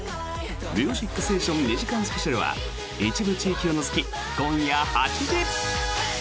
「ミュージックステーション」２時間スペシャルは一部地域を除き、今夜８時！